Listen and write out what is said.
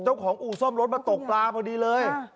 อู่ซ่อมรถมาตกปลาพอดีเลย